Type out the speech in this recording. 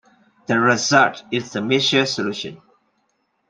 The result is the Michell solution.